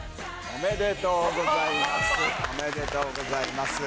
おめでとうございます。